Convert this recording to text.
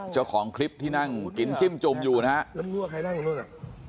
เจ้าของคลิปที่นั่งกินกิ้มจมอยู่นะฮะ